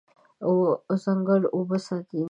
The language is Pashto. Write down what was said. ځنګل اوبه ساتي.